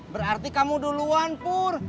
berarti kamu duluan pur